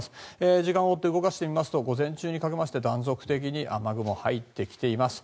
時間を追って動かしてみますと午前中にかけて断続的に雨雲が入ってきています。